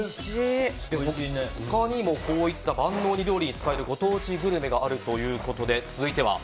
他にもこういった万能に料理に使えるご当地グルメがあるということで、続いては？